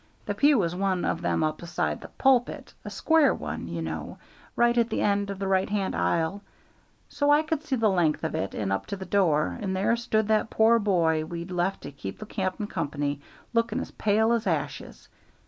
The pew was one of them up aside the pulpit, a square one, you know, right at the end of the right hand aisle, so I could see the length of it and out of the door, and there stood that poor boy we'd left to keep the cap'n company, looking as pale as ashes.